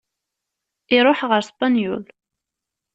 Iṛuḥ ɣer Spenyul.